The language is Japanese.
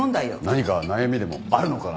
何か悩みでもあるのかな？